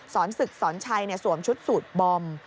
ศึกสอนชัยสวมชุดสูตรบอม